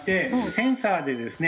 センサーでですね